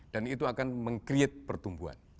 dan itu akan meng create pertumbuhan